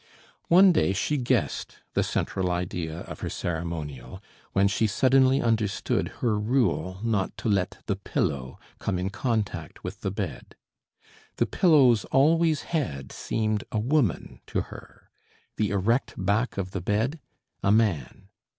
One day she guessed the central idea of her ceremonial, when she suddenly understood her rule not to let the pillow come in contact with the bed. The pillows always had seemed a woman to her, the erect back of the bed a man.